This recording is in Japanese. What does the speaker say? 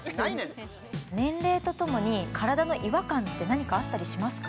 年齢とともに体の違和感って何かあったりしますか？